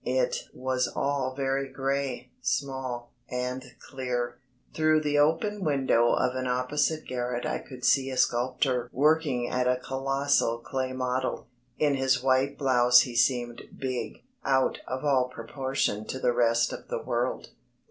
It was all very grey, small, and clear. Through the open window of an opposite garret I could see a sculptor working at a colossal clay model. In his white blouse he seemed big, out of all proportion to the rest of the world.